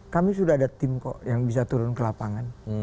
kami sudah ada tim kok yang bisa turun ke lapangan